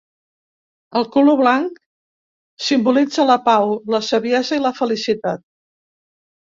El color blanc simbolitza la pau, la saviesa i la felicitat.